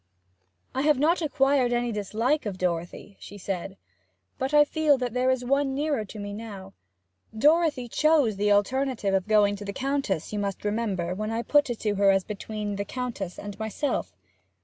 'I have not acquired any dislike of Dorothy,' she said, 'but I feel that there is one nearer to me now. Dorothy chose the alternative of going to the Countess, you must remember, when I put it to her as between the Countess and myself.'